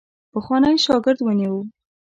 پخوانی شاګرد ونیوی.